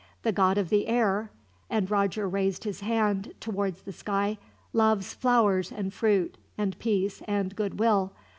The God of the Air," and Roger raised his hand towards the sky, "loves flowers and fruit and peace and goodwill.